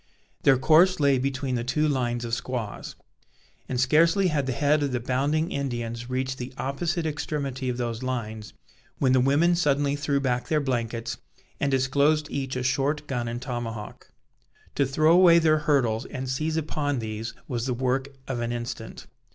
Their course lay between the two lines of squaws; and scarcely had the head of the bounding Indians reached the opposite extremity of those lines, when the women suddenly threw back their blankets, and disclosed each a short gun and tomahawk. To throw away their hurdles and seize upon these, was the work of an instant.